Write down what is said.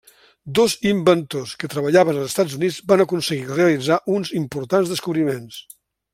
Dos inventors que treballaven als Estats Units van aconseguir realitzar uns importants descobriments.